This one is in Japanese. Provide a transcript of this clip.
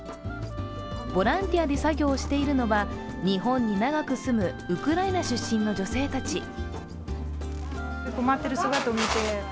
ボランティアで作業をしているのは日本に長く住むウクライナ出身の女性たち。